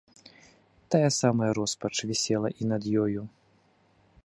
Тая самая роспач вісела і над ёю.